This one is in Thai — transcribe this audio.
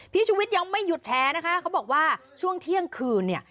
ชุวิตยังไม่หยุดแชร์นะคะเขาบอกว่าช่วงเที่ยงคืนเนี่ย